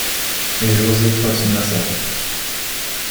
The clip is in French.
Et José continua sa route